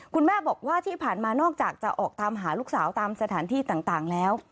คุณแม่บอกว่าที่ผ่านมานอกจากจะออกตามหาลูกสาวตามสถานที่ต่างแล้ว